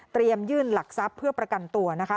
ยื่นหลักทรัพย์เพื่อประกันตัวนะคะ